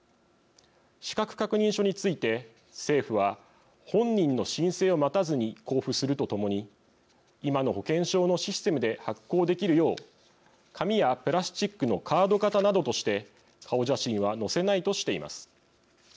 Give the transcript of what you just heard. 資格確認書について、政府は本人の申請を待たずに交付するとともに今の保険証のシステムで発行できるよう紙やプラスチックのカード型などとして顔写真は載せないとしています。